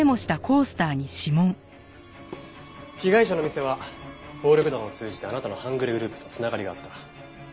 被害者の店は暴力団を通じてあなたの半グレグループと繋がりがあった。